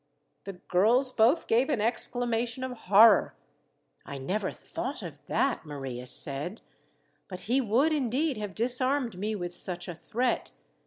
The girls both gave an exclamation of horror. "I never thought of that," Maria said; "but he would indeed have disarmed me with such a threat.